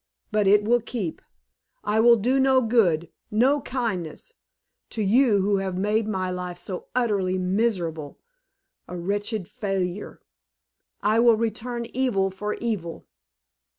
But it will keep. I will do no good no kindness to you who have made my life so utterly miserable a wretched failure. I will return evil for evil!"